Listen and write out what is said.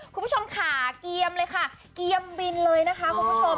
คุณผู้ชมค่ะเกียมเลยค่ะเกียมบินเลยนะคะคุณผู้ชม